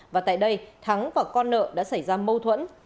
và tại đây thắng và con nợ đã xảy ra mâu thuẫn